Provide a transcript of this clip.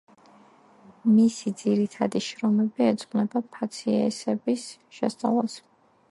მისი ძირითადი შრომები ეძღვნება ფაციესების შესწავლას.